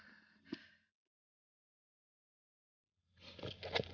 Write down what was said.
ini cuma terjadi karena aku tak cousins